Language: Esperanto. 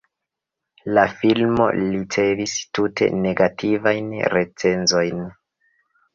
La filmo ricevis tute negativajn recenzojn.